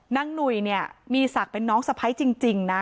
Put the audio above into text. หนุ่ยเนี่ยมีศักดิ์เป็นน้องสะพ้ายจริงนะ